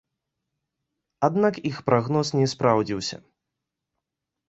Аднак іх прагноз не спраўдзіўся.